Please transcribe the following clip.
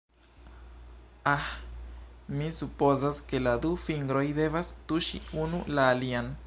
Ah, mi supozas ke la du fingroj devas tuŝi unu la alian.